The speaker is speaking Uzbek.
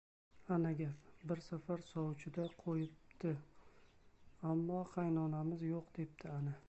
Ana, gap! Bir safar sovchi-da qo‘yibdi, ammo qaynonamiz yo‘q, debdi! Ana.